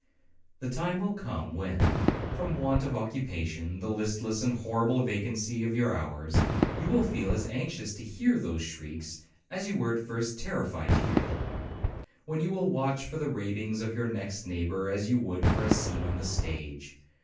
The time will come, when, from the want of occupation, the listless and horrible vacancy of your hours, you will feel as anxious to hear those shrieks, as you were at first terrified to hear them,—when you will watch for the ravings of your next neighbour, as you would for a scene on the stage.